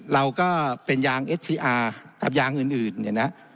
เราก็เป็นยางเอสซีอาร์กับยางอื่นเนี่ยนะ